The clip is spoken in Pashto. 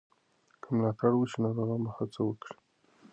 که ملاتړ وشي، ناروغان به هڅه وکړي.